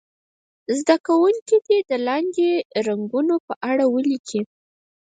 زده کوونکي دې د لاندې رنګونو په اړه ولیکي.